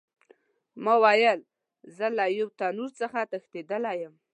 ما ویل زه له یو تنور څخه تښتېدلی یم.